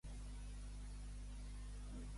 Amb qui va contraure matrimoni el germà d'Òquim?